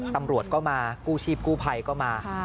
ตำรวจก็มากู้ชีพกู้ภัยก็มา